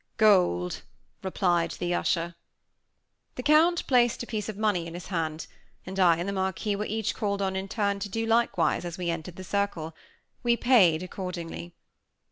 "Gold," replied the usher. The Count placed a piece of money in his hand; and I and the Marquis were each called on in turn to do likewise as we entered the circle. We paid accordingly.